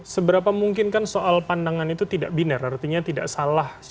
seberapa mungkin kan soal pandangan itu tidak biner artinya tidak salah